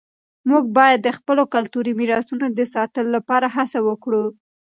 موږ باید د خپلو کلتوري میراثونو د ساتلو لپاره هڅه وکړو.